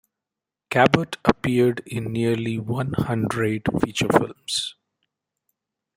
Cabot appeared in nearly one hundred feature films.